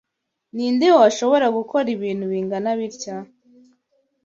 Ni nde washobora gukora ibintu bingana bitya?